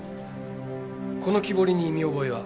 この木彫りに見覚えは？